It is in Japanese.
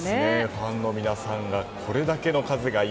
ファンの皆さんがこれだけの数。